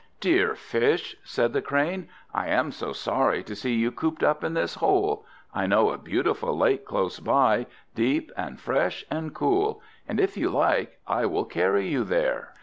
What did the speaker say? "Dear Fish," said the Crane, "I am so sorry to see you cooped up in this hole. I know a beautiful lake close by, deep and fresh and cool, and if you like I will carry you there."